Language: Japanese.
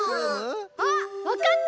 あっわかった！